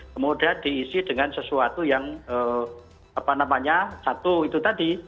kemudian diisi dengan sesuatu yang satu itu tadi